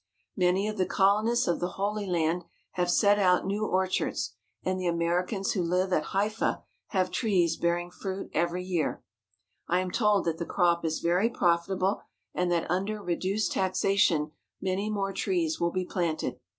Many of the colonists of the Holy Land have set out new orchards, and the Americans who live at Haifa have trees bearing fruit every year. I am told that the crop is very profitable, and that under reduced taxation many more trees will be planted.